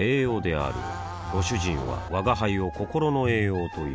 あぁご主人は吾輩を心の栄養という